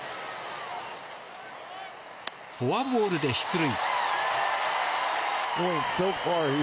フォアボールで出塁。